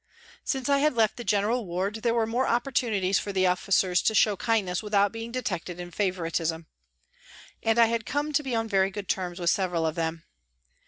Since I had left the general ward there were more opportunities for the officers to show kindness without being detected in " favouritism," and I had come to be on very good terms with several of them.